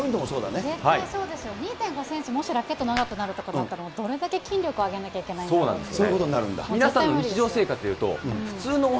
そうですよ、２．５センチ、もしラケット長くなるとかだったら、どれだけ筋力を上げなきゃいけないかということですよね。